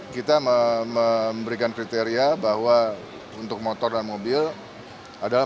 kita memberikan kriteria bahwa untuk motor dan mobil adalah